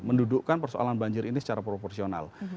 mendudukkan persoalan banjir ini secara proporsional